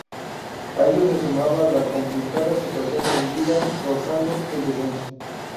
A ello se sumaba la complicada situación en Liga, rozando el descenso.